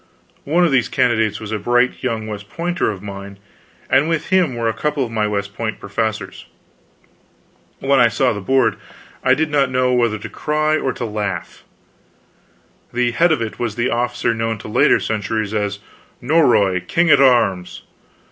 One of these candidates was a bright young West Pointer of mine, and with him were a couple of my West Point professors. When I saw the Board, I did not know whether to cry or to laugh. The head of it was the officer known to later centuries as Norroy King at Arms!